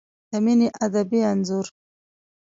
د مینې ادبي انځور